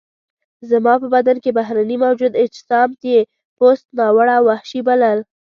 زما په بدن کې بهرني موجود اجسام یې پست، ناوړه او وحشي وبلل.